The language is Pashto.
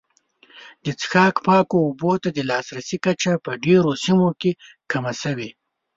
د څښاک پاکو اوبو ته د لاسرسي کچه په ډېرو سیمو کې کمه شوې.